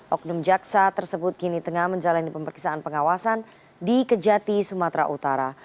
oknum jaksa tersebut kini tengah menjalani pemeriksaan pengawasan di kejati sumatera utara